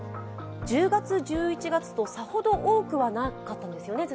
１０月、１１月とさほど多くなかったですよね。